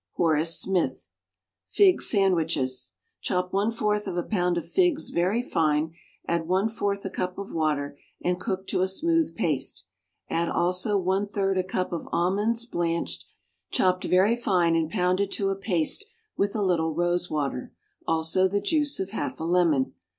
Horace Smith. =Fig Sandwiches.= Chop one fourth a pound of figs very fine, add one fourth a cup of water, and cook to a smooth paste; add, also, one third a cup of almonds, blanched, chopped very fine and pounded to a paste with a little rose water, also the juice of half a lemon.